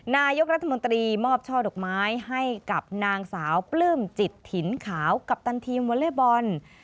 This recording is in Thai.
นายกรัฐมนตรีมอบช่อดอกไม้ให้กับนางสาวปลื้มจิตถิ่นขาวกัปตันทีมวอเล็กบอล